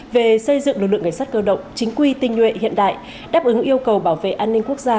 về xây dựng lực lượng cảnh sát cơ động chính quy tinh nhuệ hiện đại đáp ứng yêu cầu bảo vệ an ninh quốc gia